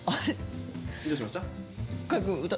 どうしました？